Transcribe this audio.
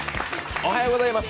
おはようございます。